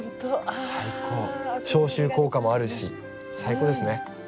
消臭効果もあるし最高ですね。